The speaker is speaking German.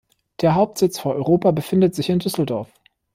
Der Hauptsitz für Europa befindet sich in Düsseldorf.